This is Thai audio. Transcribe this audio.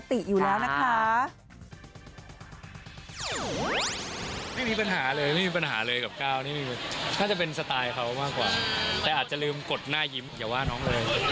แต่อาจจะลืมกดหน้ายิ้มอย่าว่าน้องเลย